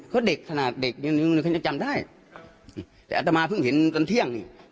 ก็เด็กขนาดเด็กยังนึงเขาจะจำได้แต่อัตมาเพิ่งเห็นตอนเที่ยงนี่